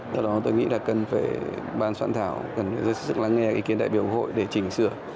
do đó tôi nghĩ là cần phải ban soạn thảo cần phải rất sức lắng nghe ý kiến đại biểu hội để chỉnh sửa